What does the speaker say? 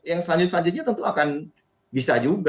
yang selanjutnya tentu akan bisa juga